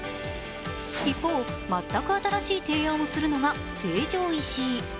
一方、全く新しい提案をするのが成城石井。